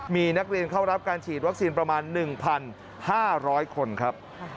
มีนักเรียนเข้ารับการฉีดวัคซีนประมาณ๑๕๐๐คนครับ